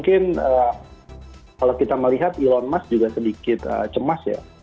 kalau kita melihat elon musk juga sedikit cemas ya